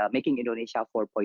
making indonesia empat